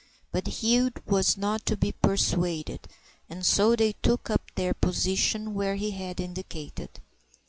But Hugh was not to be persuaded, and so they took up their position where he had indicated.